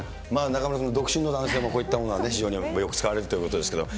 中丸君、独身の男性もこういったものは非常によく使われるということですけれども。